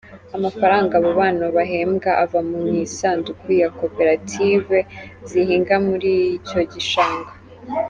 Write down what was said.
Amafaranga abo bana bahembwa ava mu isanduku ya Koperative zihinga muri icyo gishanga.